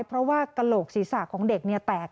เพราะว่ากระโหลกศีรษะของเด็กแตก